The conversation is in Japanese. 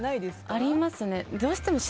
ありますね。